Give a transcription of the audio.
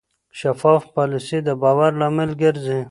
شفاف پالیسي د باور لامل ګرځي.